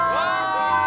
きれい。